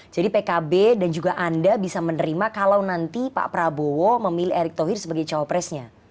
pkb dan juga anda bisa menerima kalau nanti pak prabowo memilih erick thohir sebagai cawapresnya